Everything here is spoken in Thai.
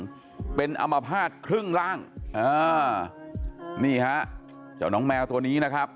ความอาภาชครึ่งร่างนี่ค่ะจ่อน้องแมวตัวนี้นะครับ